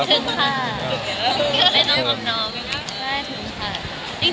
ไม่ถึงค่ะไม่ถึงค่ะ